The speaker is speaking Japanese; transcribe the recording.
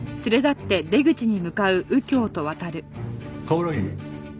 冠城。